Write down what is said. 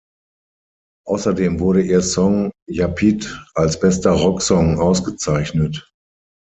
Außerdem wurde ihr Song "Ya pid" als bester Rocksong ausgezeichnet.